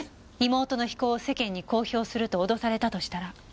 妹の非行を世間に公表すると脅されたとしたら。